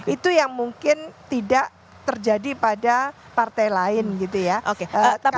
itu yang mungkin tidak terjadi pada partai lain gitu ya